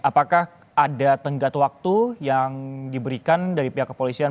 apakah ada tenggat waktu yang diberikan dari pihak kepolisian